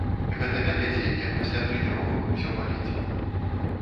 Гэта, ведаеце, як пасля трэніровак, усё баліць.